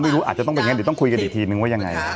ที่รู้อาจจะต้องเป็นอย่างงี้เดี๋ยวต้องคุยกับดิกทีนึงว่ายังไง